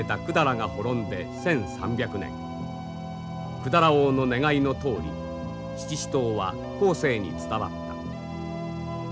百済王の願いのとおり七支刀は後世に伝わった。